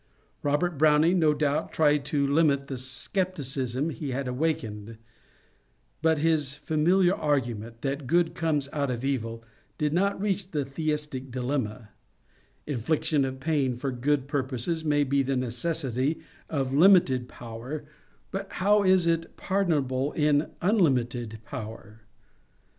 Robert Browning, no doubt, tried to limit the scepticism he had awakened, but his familiar argument, that good comes out of evil, did not reach the theistic dilemma : infliction of pain for good purposes may be the necessity of limited power, but how is it pardonable in unlimited power?